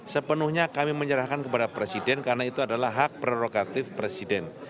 sepenuhnya kami menyerahkan kepada presiden karena itu adalah hak prerogatif presiden